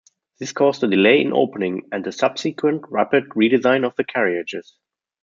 This caused a delay in opening, and a subsequent rapid redesign of the carriages.